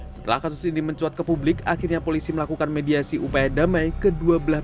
setelah kasus ini mencuat ke publik akhirnya polisi melakukan mediasi upaya damai kedua belah